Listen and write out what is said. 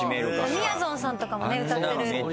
みやぞんさんとかもね歌ってる。